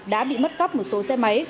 đã bị mất cắp một số xe máy